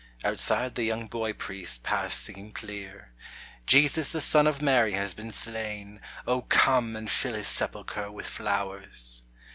Outside the young boy priest passed singing clear. "Jesus the Son of Mary has been slain, O come and fill his sepulchre with flowers."